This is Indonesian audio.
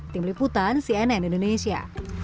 tim liputan cnn indonesia